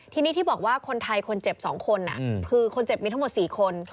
ทีนี้ที่บอกว่าคนไทยคนเจ็บ๒คนคือคนเจ็บมีทั้งหมด๔คน